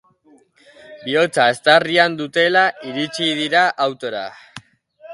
Bihotza eztarrian dutela iritsi dira autora.